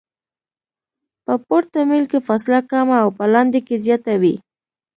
په پورته میل کې فاصله کمه او په لاندې کې زیاته وي